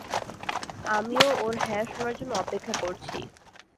আমিও ওর হ্যাঁ শোনার জন্য, অপেক্ষা করছি।